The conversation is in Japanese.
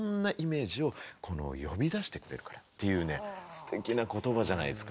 すてきな言葉じゃないですか。